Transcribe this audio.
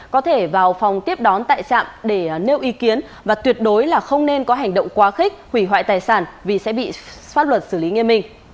có thể vào phòng tiếp đón tại trạm để nêu ý kiến và tuyệt đối là không nên có hành động quá khích hủy hoại tài sản vì sẽ bị pháp luật xử lý nghiêm minh